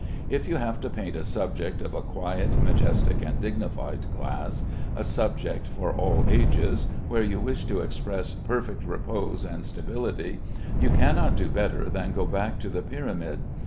If you have to paint a subject of a quiet, majestic, and dignified class, a subject for all ages, where you wish to express perfect repose and stability, you cannot do better than go back to the pyramid.